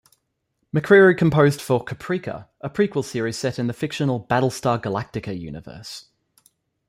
McCreary composed for "Caprica", a prequel series set in the fictional "Battlestar Galactica" universe.